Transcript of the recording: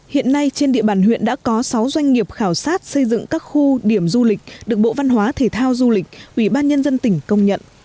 hiện nay trên địa bàn huyện đã có sáu doanh nghiệp khảo sát xây dựng các khu điểm du lịch được bộ văn hóa thể thao du lịch ủy ban nhân dân tỉnh công nhận